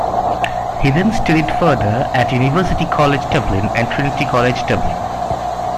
He then studied further at University College, Dublin and Trinity College, Dublin.